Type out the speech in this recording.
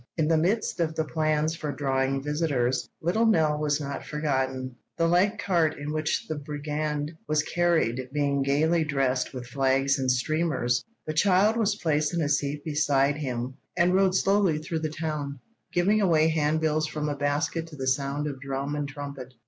In the midst of the plans for drawing visitors, little Nell was not forgotten. The light cart in which the brigand was carried being gaily dressed with flags and streamers, the child was placed in a seat beside him, and rode slowly through the town, giving away handbills from a basket to the sound of drum and trumpet.